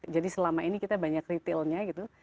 jadi selama ini kita banyak retailnya gitu